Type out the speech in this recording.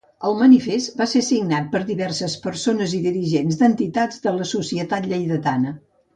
El manifest va ser signat per diverses persones i dirigents d'entitats de la societat lleidatana.